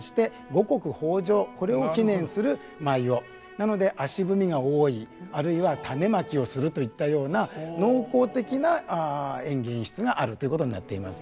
なので足踏みが多いあるいは種まきをするといったような農耕的な演技演出があるということになっています。